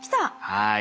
はい。